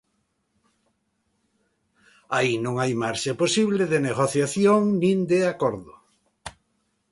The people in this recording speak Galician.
Aí non hai marxe posible de negociación nin de acordo.